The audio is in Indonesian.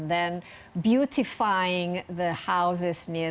memperbaiki rumah di dekat sungai